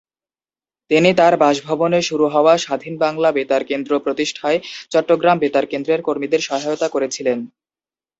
তিনি তার বাসভবনে শুরু হওয়া স্বাধীন বাংলা বেতার কেন্দ্র প্রতিষ্ঠায় চট্টগ্রাম বেতার কেন্দ্রের কর্মীদের সহায়তা করেছিলেন।